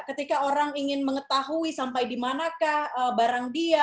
ketika orang ingin mengetahui sampai dimanakah barang dia